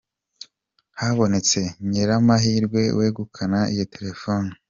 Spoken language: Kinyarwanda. com habonetse nyiramahirwe wegukana iyo telefone.